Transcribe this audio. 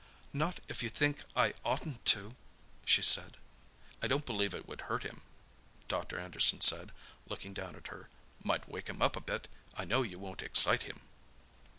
"Not if you think I oughtn't to," she said. "I don't believe it would hurt him," Dr. Anderson said, looking down at her. "Might wake him up a bit—I know you won't excite him."